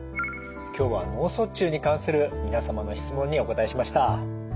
今日は脳卒中に関する皆様の質問にお答えしました。